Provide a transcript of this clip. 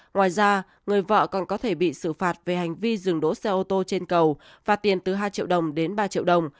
ngoài ra người vợ còn có thể bị xử phạt về hành vi dừng đỗ xe ô tô trên cầu phạt tiền từ hai triệu đồng đến ba triệu đồng